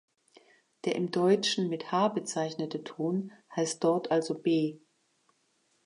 Der im Deutschen mit „h“ bezeichnete Ton heißt dort also „B“.